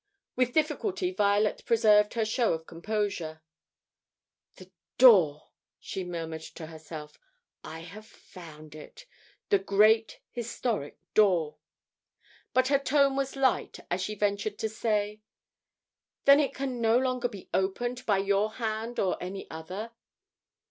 With difficulty Violet preserved her show of composure. "The door!" she murmured to herself. "I have found it. The great historic door!" But her tone was light as she ventured to say: "Then it can no longer be opened by your hand or any other?"